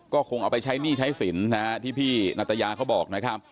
ก็คงเอาไปใช้หนี้ใช้สินนะฮะที่พี่นัตยาเขาบอกนะครับ